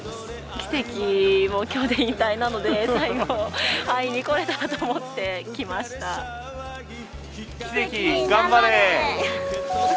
キセキも、きょうで引退なので最後、会いに来れたらと思ってキセキ、頑張れ！